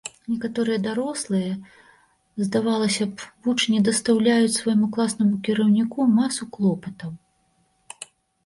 Некаторыя дарослыя, здавалася б, вучні дастаўляюць свайму класнаму кіраўніку масу клопатаў.